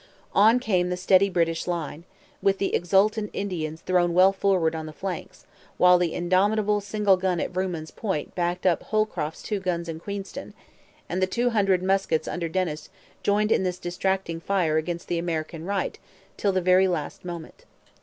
On came the steady British line, with the exultant Indians thrown well forward on the flanks; while the indomitable single gun at Vrooman's Point backed up Holcroft's two guns in Queenston, and the two hundred muskets under Dennis joined in this distracting fire against the American right till the very last moment.